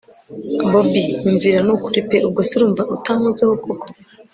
bobi nyumvira nukuri pe! ubwo se urumva utankozeho koko